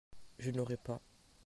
Je n'aurai pas.